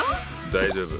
大丈夫！